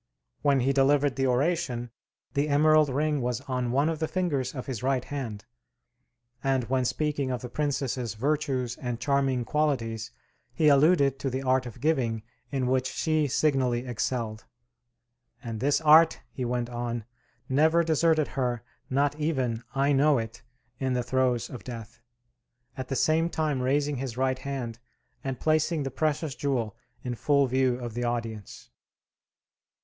When he delivered the oration, the emerald ring was on one of the fingers of his right hand; and when speaking of the princess's virtues and charming qualities, he alluded to the art of giving, in which she signally excelled. "And this art," he went on, "never deserted her, not even, I know it, in the throes of death," at the same time raising his right hand and placing the precious jewel in full view of the audience.